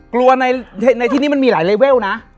กลัวในที่นี้มันมีหลายเลเวลนะ